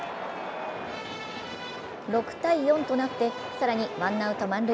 ６−４となって更にワンアウト満塁。